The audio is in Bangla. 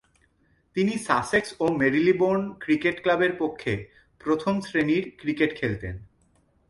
তিনি সাসেক্স ও মেরিলেবোন ক্রিকেট ক্লাবের পক্ষে প্রথম-শ্রেণীর ক্রিকেট খেলতেন।